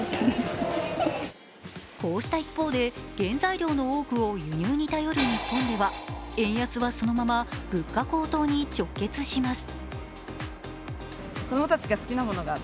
こうした一方で原材料の多くを輸入に頼る日本では円安はそのまま物価高騰に直結します。